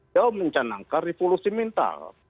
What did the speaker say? dia mencanangkan revolusi mental